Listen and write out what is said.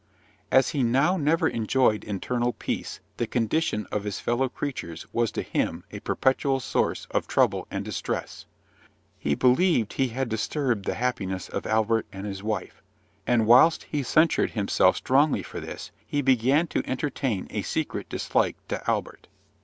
As he now never enjoyed internal peace, the condition of his fellow creatures was to him a perpetual source of trouble and distress. He believed he had disturbed the happiness of Albert and his wife; and, whilst he censured himself strongly for this, he began to entertain a secret dislike to Albert.